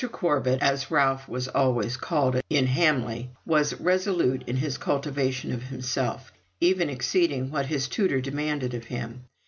Corbet, as Ralph was always called in Hamley, was resolute in his cultivation of himself, even exceeding what his tutor demanded of him.